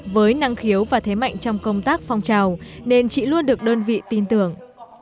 với năng khiếu và thế mạnh trong công tác phong trào nên chị luôn được đơn vị tin tưởng